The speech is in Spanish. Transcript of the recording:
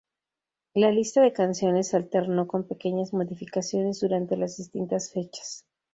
La lista de canciones se alternó con pequeñas modificaciones durante las distintas fechas.